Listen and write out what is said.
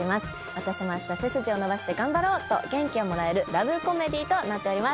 「私もあした背筋を伸ばして頑張ろう！」と元気をもらえるラブコメディーとなっております。